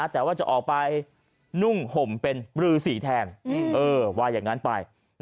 แต่ว่าจะออกไปนุ่งห่มเป็นรือสีแทนว่าอย่างนั้นไป